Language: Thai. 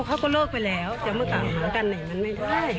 เขาก็โลกไปแล้วจำว่าต่างหากันหรือไหมไม่ได้